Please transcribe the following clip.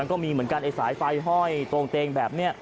มันก็มีเหมือนกันสายไฟห่อยโตงเตงแบบนี้